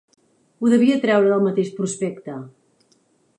Ho devia treure del mateix prospecte.